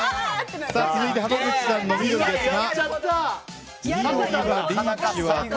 続いて濱口さんですが。